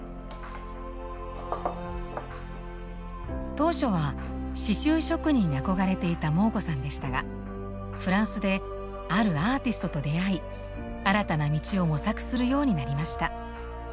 当初は刺しゅう職人に憧れていたモー子さんでしたがフランスであるアーティストと出会い新たな道を模索するようになりました。